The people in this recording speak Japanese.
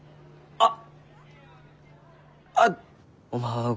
あっ！